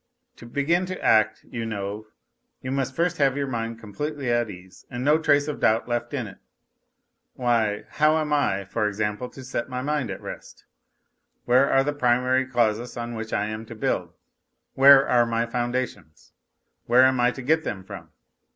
To begin to act, you know, you must first have your mind completely at ease and no trace of doubt left in it. Why, how am I, for example to set my mind at rest ? Where are the primary causes on which I am to build ? Where are my foundations ? Where am I to get them from